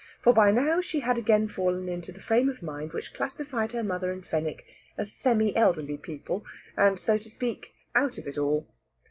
For by now she had again fallen into the frame of mind which classified her mother and Fenwick as semi elderly people, and, so to speak, out of it all.